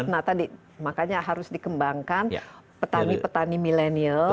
nah makanya harus dikembangkan petani petani millennial